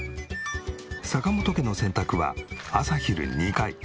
坂本家の洗濯は朝昼２回。